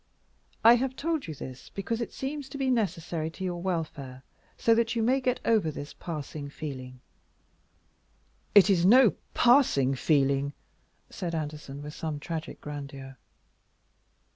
I have told you this because it seems to be necessary to your welfare, so that you may get over this passing feeling." "It is no passing feeling," said Anderson, with some tragic grandeur.